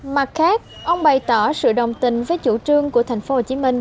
mặt khác ông bày tỏ sự đồng tình với chủ trương của thành phố hồ chí minh